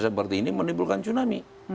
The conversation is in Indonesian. seperti ini menimbulkan tsunami